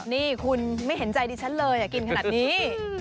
นี่คุณไม่เห็นใจดิฉันเลยกินขนาดนี้